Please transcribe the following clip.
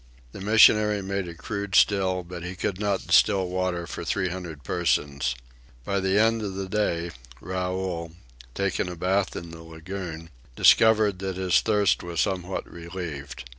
The missionary made a crude still, but he could not distill water for three hundred persons. By the end of the second day, Raoul, taking a bath in the lagoon, discovered that his thirst was somewhat relieved.